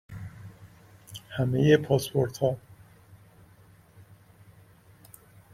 همه پاسپورت ها